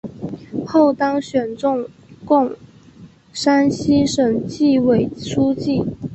后当选中共山西省纪委书记。